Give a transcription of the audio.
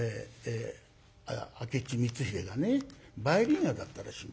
明智光秀がねバイリンガルだったらしいんですよ。